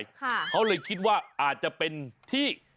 เขาเลยคิดว่าอาจจะเป็นที่